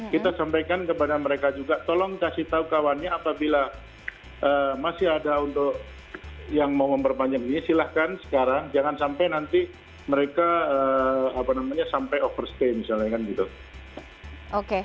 kita sampaikan kepada mereka juga tolong kasih tau kawannya apabila masih ada yang mau memperpanjang ini silahkan sekarang jangan sampai nanti mereka sampai over stay misalnya